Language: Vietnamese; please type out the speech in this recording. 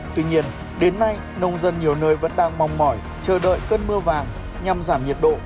tuy nhiên đến nay nông dân nhiều nơi vẫn đang mong mỏi chờ đợi cơn mưa vàng nhằm giảm nhiệt độ